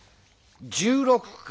１６か。